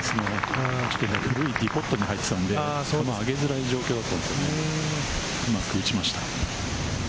古いディボットに入っていたので、球は上げづらい状態だったんですが、うまく打ちました。